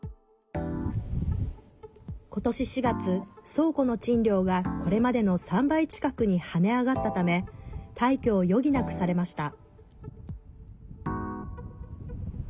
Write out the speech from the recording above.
ことし４月、倉庫の賃料がこれまでの３倍近くに跳ね上がったため退去を余儀なくされました。